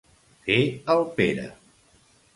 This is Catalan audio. Fer el Pere.